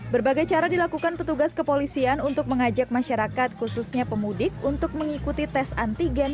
berbagai cara dilakukan petugas kepolisian untuk mengajak masyarakat khususnya pemudik untuk mengikuti tes antigen